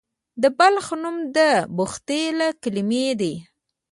د بلخ نوم د بخدي له کلمې دی